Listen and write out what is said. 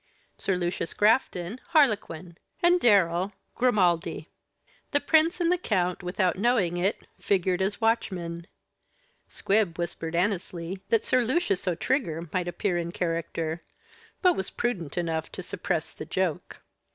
Sir Lucius Grafton, Harlequin; and Darrell, Grimaldi. The prince and the count, without knowing it, figured as watchmen. Squib whispered Annesley that Sir Lucius O'Trigger might appear in character, but was prudent enough to suppress the joke.